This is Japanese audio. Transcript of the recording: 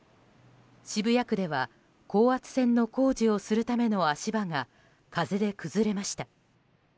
渋谷区では、高圧線の工事をするための足場が風で崩れました。